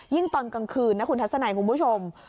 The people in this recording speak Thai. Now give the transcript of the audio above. ตอนกลางคืนนะคุณทัศนัยคุณผู้ชม